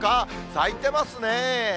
咲いてますね。